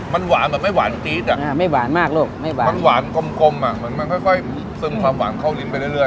มันหวานแบบไม่หวานจี๊ดอ่ะไม่หวานมากลูกไม่หวานมันหวานกลมอ่ะเหมือนมันค่อยซึมความหวานเข้าลิ้นไปเรื่อย